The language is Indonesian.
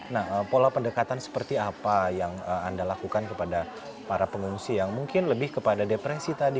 nah pola pendekatan seperti apa yang anda lakukan kepada para pengungsi yang mungkin lebih kepada depresi tadi